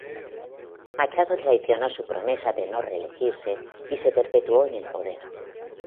Machado traicionó su promesa de no reelegirse y se perpetuó en el poder.